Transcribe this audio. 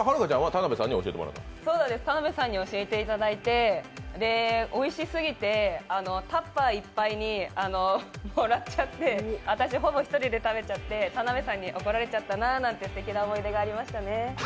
田辺さんに教えていただいて、おいしすぎてタッパーいっぱいにもらっちゃって、私、ほぼ１人で食べちゃって、田辺さんに怒られちゃったななんてすてきな思い出がありましたね。